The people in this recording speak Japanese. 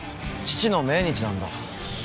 父の命日なんだ。